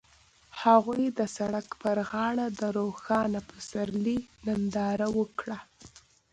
هغوی د سړک پر غاړه د روښانه پسرلی ننداره وکړه.